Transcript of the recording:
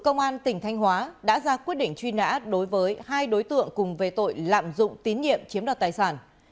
công an tỉnh thanh hóa đã ra quyết định truy nã đối với hai đối tượng cùng về tội lạm dụng tín nhiệm chiếm đoạt tài sản